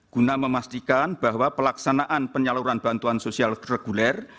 guna memastikan bahwa pelaksanaan penyaluran bantuan sosial reguler